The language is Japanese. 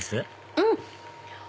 うん！